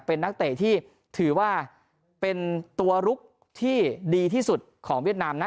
เป็นนักเตะที่ถือว่าเป็นตัวลุกที่ดีที่สุดของเวียดนามนะ